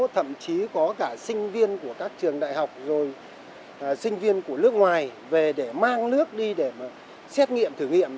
thậm chí có cả sinh viên của các trường đại học rồi sinh viên của nước ngoài về để mang nước đi để mà xét nghiệm thử nghiệm